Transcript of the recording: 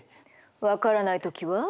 分からない時は。